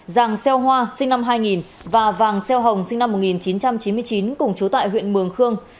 giàng xeo hoa sinh năm hai nghìn và vàng xeo hồng sinh năm một nghìn chín trăm chín mươi chín cùng chú tại huyện mường khương